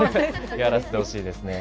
やらせてほしいですね。